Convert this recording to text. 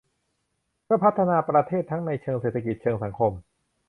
เพื่อพัฒนาประเทศทั้งในเชิงเศรษฐกิจเชิงสังคม